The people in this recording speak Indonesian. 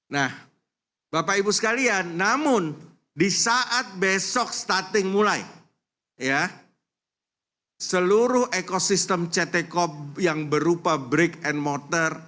nah bapak ibu sekalian namun di saat besok starting mulai ya seluruh ekosistem ct corp yang berupa break and motor